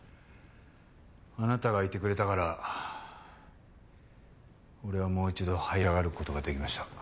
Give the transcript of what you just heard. あなたがいてくれたから俺はもう一度はい上がる事ができました。